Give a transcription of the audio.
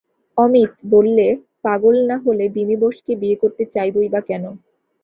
অমিত বললে, পাগল না হলে বিমি বোসকে বিয়ে করতে চাইবই বা কেন?